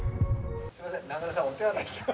すいません。